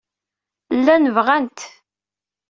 Llan bɣan-t.